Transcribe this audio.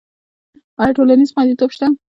آیا ټولنیز خوندیتوب شته؟